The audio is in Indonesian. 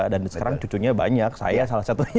dan sekarang cucunya banyak saya salah satunya